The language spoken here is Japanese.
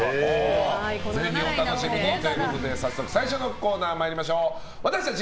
ぜひお楽しみにということで早速、最初のコーナー私たち